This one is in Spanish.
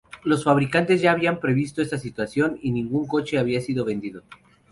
Los fabricantes ya habían previsto esta situación, y ningún coche había sido vendido.